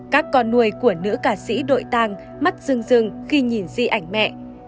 các con nuôi của nữ ca sĩ đội tang mắt rưng rưng khi nhìn di ảnh mẹ